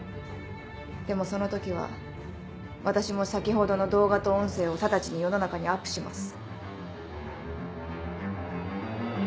でもその時は私も先ほどの動画と音声を直ちに世の中にアップします。